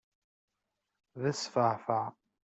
D asfaεfaε!